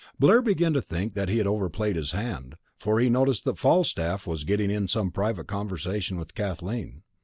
Blair began to think that he had overplayed his hand, for he noticed that Falstaff was getting in some private conversation with Kathleen.